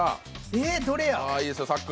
え、どれや。